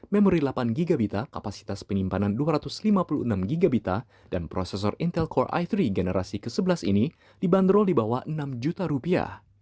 memori delapan gb kapasitas penyimpanan dua ratus lima puluh enam gb dan prosesor intelcore i tiga generasi ke sebelas ini dibanderol di bawah enam juta rupiah